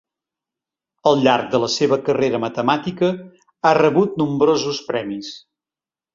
Al llarg de la seva carrera matemàtica ha rebut nombrosos premis.